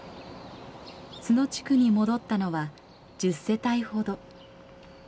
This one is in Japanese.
津野地区に戻ったのは１０世帯ほど。